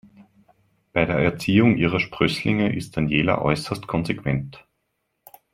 Bei der Erziehung ihrer Sprösslinge ist Daniela äußerst konsequent.